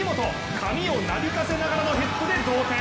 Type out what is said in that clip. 髪をなびかせながらのヘッドで同点。